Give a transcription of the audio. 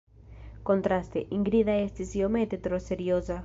Kontraste, Ingrida estis iomete tro serioza.